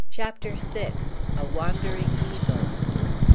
CHAPTER VI. A WANDERING EAGLE.